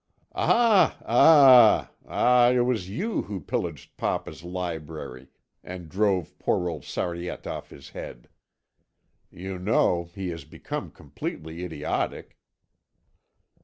"Ah ... ah ... ah! It was you who pillaged papa's library and drove poor old Sariette off his head. You know, he has become completely idiotic."